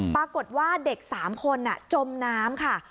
ปรากฏว่าเด็ก๓คนจมน้ำค่ะ